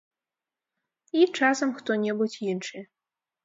І, часам, хто-небудзь іншы.